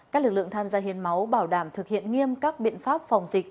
các lực lượng tham gia hiến máu bảo đảm thực hiện nghiêm các biện pháp phòng dịch